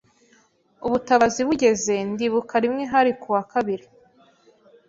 Ubutabazi bugeze , ndibuka rimwe hari kuwa kabiri